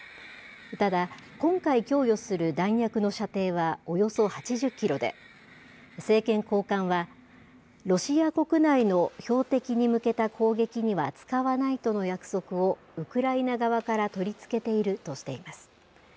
ただ、今回供与する弾薬の射程はおよそ８０キロで、政権高官は、ロシア国内の標的に向けた攻撃には使わないとの約束をウクライナ側から取り付けているとしています。